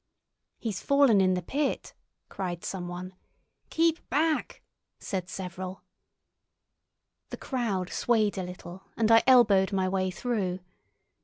"He's fallen in the pit!" cried some one. "Keep back!" said several. The crowd swayed a little, and I elbowed my way through.